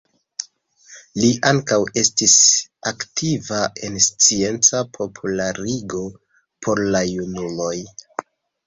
Li ankaŭ estis aktiva en scienca popularigo por la junuloj.